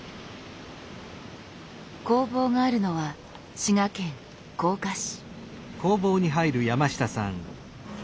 工房があるのは滋賀県甲賀市。